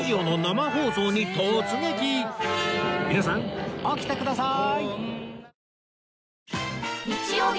皆さん起きてください！